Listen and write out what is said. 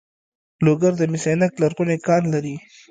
لوګر د مس عینک لرغونی کان لري